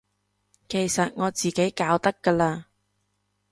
其實我自己搞得㗎喇